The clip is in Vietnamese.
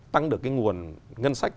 tăng được cái nguồn ngân sách